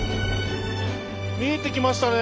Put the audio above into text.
見えてきましたね！